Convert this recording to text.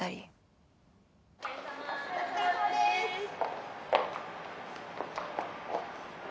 お疲れさまです！